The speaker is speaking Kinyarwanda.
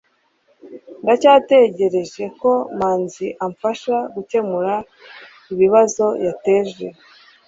ndacyategereje ko manzi amfasha gukemura ibibazo yateje